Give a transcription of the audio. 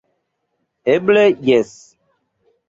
Eble jes.